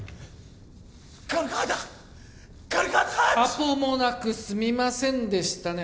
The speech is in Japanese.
アポもなくすみませんでしたね